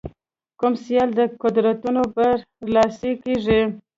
کوم سیال قدرتونه به برلاسي کېږي.